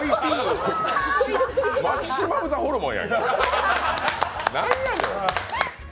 マキシマムザホルモンや、何やねん！